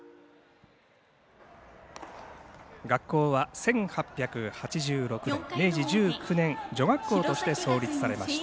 学校は１８８６年明治１９年女学校として創立されました。